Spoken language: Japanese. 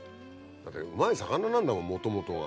だってうまい魚なんだもんもともとが。